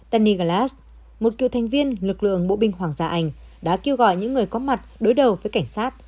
tanigalas một cựu thành viên lực lượng bộ binh hoàng gia anh đã kêu gọi những người có mặt đối đầu với cảnh sát